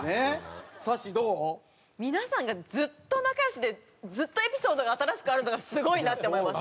皆さんがずっと仲良しでずっとエピソードが新しくあるのがすごいなって思います。